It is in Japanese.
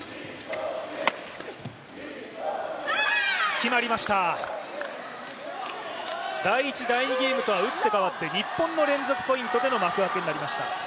決まりました、第１、第２ゲームとは打って変わって日本の連続ポイントでの幕開けになりました。